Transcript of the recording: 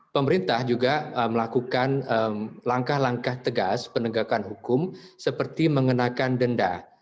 pemerintah juga melakukan langkah langkah tegas penegakan hukum seperti mengenakan denda